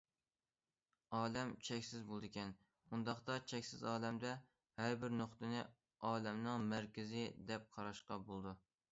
ئالەم چەكسىز بولىدىكەن، ئۇنداقتا چەكسىز ئالەمدە ھەر بىر نۇقتىنى ئالەمنىڭ مەركىزى دەپ قاراشقا بولىدۇ.